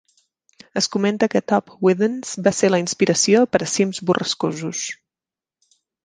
Es comenta que Top Withens va ser la inspiració per a "Cims borrascosos".